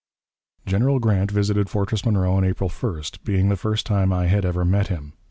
"General Grant visited Fortress Monroe on April 1st, being the first time I had ever met him.